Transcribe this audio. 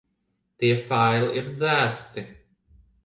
Tie faili ir dzēsti.